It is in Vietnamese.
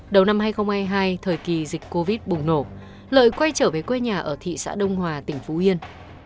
đầu năm hai nghìn hai mươi hai thời kỳ dịch covid bùng nổ lợi quay trở về quê nhà ở thị xã đông hòa tỉnh phú yên